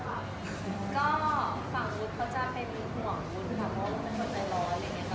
ได้เห็นพัฒนาจังหุ้นหรือว่าจะเห็นแปลงหุ้น